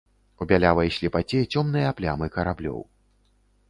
У бялявай слепаце цёмныя плямы караблёў.